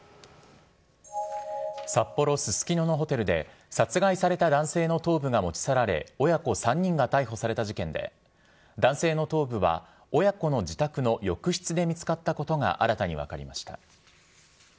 札幌・ススキノのホテルで殺害された男性の頭部が持ち去られ親子３人が逮捕された事件で男性の頭部は親子の自宅の浴室で見つかったことが新たに分かりました。